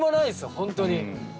本当に。